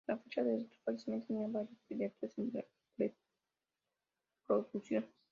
A la fecha de su fallecimiento tenía varios proyectos en preproducción.